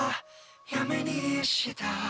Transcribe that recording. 「やめにした」